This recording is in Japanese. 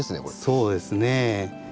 そうですね。